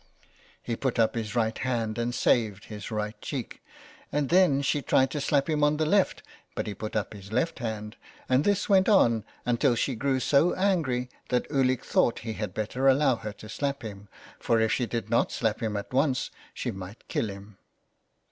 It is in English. He put up his right hand and saved his right cheek, and then she tried to slap him on the left, but he put up his left hand, and this went on until she grew so angry that Ulick thought he had better allow her to slap him, for if she did not slap him at once she might kill him.